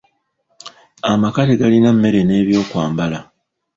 Amaka tegalina mmere n'ebyokwambala.